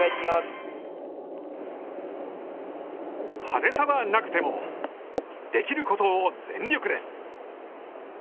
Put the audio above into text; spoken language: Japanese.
派手さはなくてもできることを全力で。